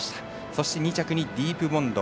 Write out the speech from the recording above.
そして、２着にディープボンド。